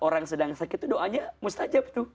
orang sedang sakit itu doanya mustajab tuh